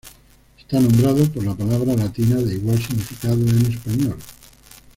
Está nombrado por la palabra latina de igual significado en español.